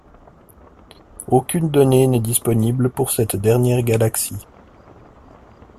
Aucune donnée n'est disponible pour cette dernière galaxie.